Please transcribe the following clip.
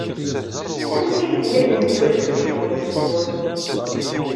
Amek ay tga tmeddurt deg tmurt-nwen?